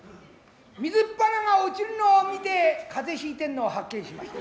水っぱなが落ちるのを見て風邪ひいてんのを発見しました。